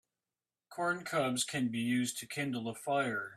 Corn cobs can be used to kindle a fire.